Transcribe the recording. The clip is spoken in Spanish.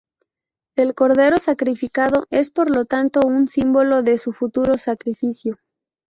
El cordero sacrificado es por lo tanto un símbolo de su futuro sacrificio.